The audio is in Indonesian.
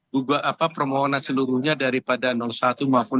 juga permohonan seluruhnya daripada satu maupun dua